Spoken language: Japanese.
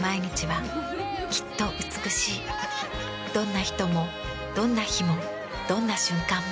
どんな人もどんな日もどんな瞬間も。